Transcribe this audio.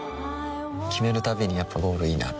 決めるたびにやっぱゴールいいなってふん